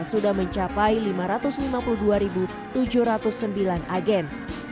sudah mencapai lima ratus lima puluh dua tujuh ratus sembilan agen